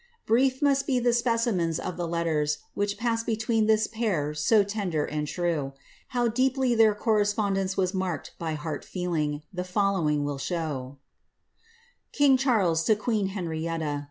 Brief must be the specimens of the letters which passed between this pair so tender and true. How deeply their correspondence was marked by heart feeling, the following will show :— Kino Cvurimm to Qusen Hknaixtta.